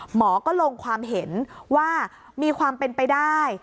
หมอก็ลงความเห็นว่ามีความเป็นไปได้